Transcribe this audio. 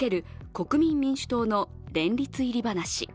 国民民主党の連立入り話。